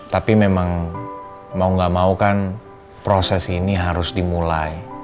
tapi memang mau gak mau kan proses ini harus dimulai